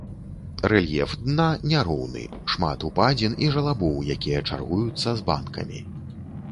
Рэльеф дна няроўны, шмат упадзін і жалабоў, якія чаргуюцца з банкамі.